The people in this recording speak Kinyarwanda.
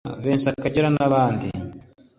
Vincent Karega n’abandi